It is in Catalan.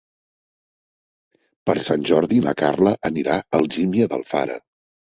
Per Sant Jordi na Carla anirà a Algímia d'Alfara.